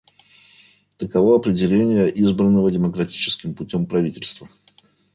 Таково определение «избранного демократическим путем правительства».